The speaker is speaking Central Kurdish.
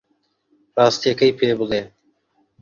ڕاستییەکەی پێ بڵێ.